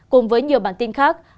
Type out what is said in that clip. cùng với nhiều bản tin khác